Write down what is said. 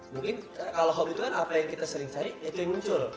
mungkin kalau home itu kan apa yang kita sering cari itu muncul